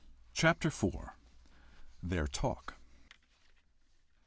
CHAPTER IV. THEIR TALK.